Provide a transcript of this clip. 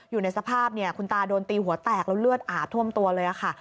อยู่ในสภาพคุณตาโดนตีหัวแตกแล้วเลือดอาบท่วมตัวเลยค่ะ